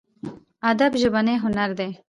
ادب ژبنی هنر دی.